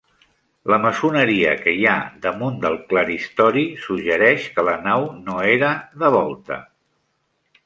La maçoneria que hi ha damunt del claristori suggereix que la nau no era de volta.